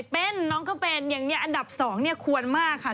เป็นน้องก็เป็นอย่างนี้อันดับ๒เนี่ยควรมากค่ะ